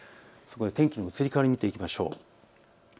天気の移り変わりを見ていきましょう。